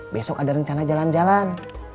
besok ada rencana jalan jalan